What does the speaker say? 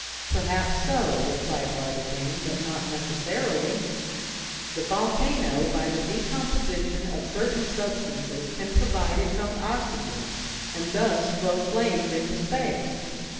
"Perhaps so," replied Barbicane, "but not necessarily. The volcano, by the decomposition of certain substances, can provide its own oxygen, and thus throw flames into space.